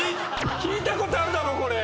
聴いたことあるだろこれ。